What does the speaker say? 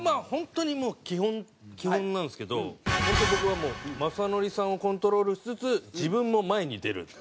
本当にもう基本なんですけど本当に僕はもう「まさのりさんをコントロールしつつ自分も前に出る」。